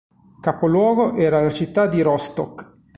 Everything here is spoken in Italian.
Capoluogo era la città di Rostock.